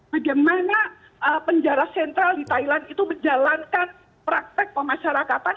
bagaimana penjara sentral di thailand itu menjalankan praktek pemasyarakatan